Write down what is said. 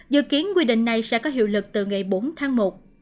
dự kiến quy định này sẽ có hiệu lực từ ngày bốn tháng một